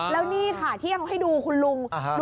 แล้วนี่ค่ะเที่ยงให้ดูคุณลุง